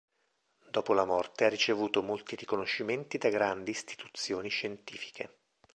Dopo la morte ha ricevuto molti riconoscimenti da grandi istituzioni scientifiche.